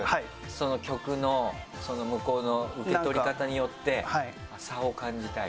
その曲の向こうの受け取り方によって差を感じたり。